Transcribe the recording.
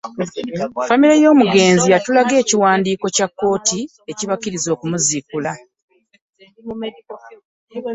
Famire y'omugenzi yatulaga ekiwandiiko kya kkooti ekibakkiriza okumuziikula.